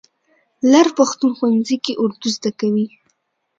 لر پښتون ښوونځي کې اردو زده کوي.